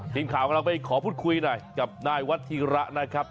ทีมข่าวของเราไปขอพูดคุยหน่อยกับนายวัฒิระนะครับ